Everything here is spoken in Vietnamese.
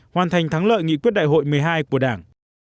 hoàn thành thắng lợi nghị quyết đại hội một mươi hai của đảng